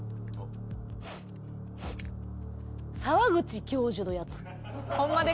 「澤口教授のやつ」。